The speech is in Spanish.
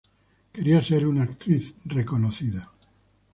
Quería ser una actriz reconocida.